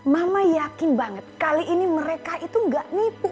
mama yakin banget kali ini mereka itu gak nipu